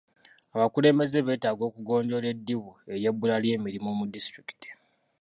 Abakulembeze beetaaga okugonjoola eddibu ery'ebbula ly'emirimu mu disitulikiti .